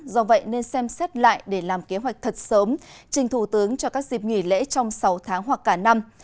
do vậy nên xem xét lại để làm kế hoạch thật sớm trình thủ tướng cho các dịp nghỉ lễ trong sáu tháng hoặc cả năm